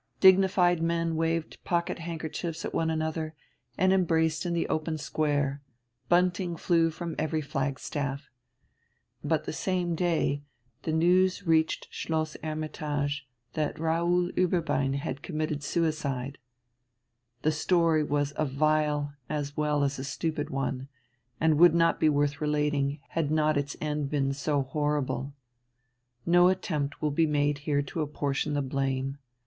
Dignified men waved pocket handkerchiefs at one another, and embraced in the open square: bunting flew from every flag staff. But the same day the news reached Schloss "Hermitage," that Raoul Ueberbein had committed suicide. The story was a vile as well as stupid one, and would not be worth relating had not its end been so horrible. No attempt will be made here to apportion the blame.